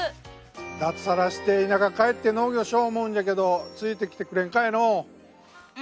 脱サラして田舎帰って、農業しようと思うんじゃけどついてきてくれんかいのう？